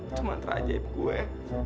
itu mantra ajaib gue